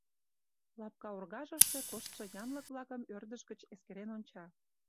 Лапка оргажыште коштшо янлык-влакым ӧрдыж гыч эскерен онча.